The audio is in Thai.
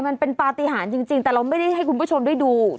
มันเป็นปฏิหารจริงแต่เราไม่ได้ให้คุณผู้ชมได้ดู